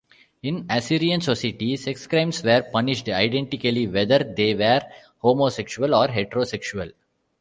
In Assyrian society, sex crimes were punished identically whether they were homosexual or heterosexual.